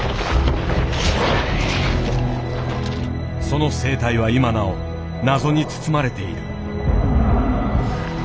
その生態は今なお謎に包まれている。